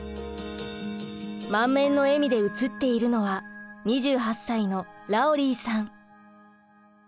満面の笑みで映っているのは２８歳のラオリーさん。